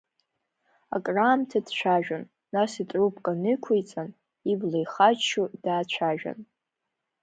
Акраамҭа дцәажәон, нас итрубка нықәиҵан, ибла ихаччо, даацәажәан…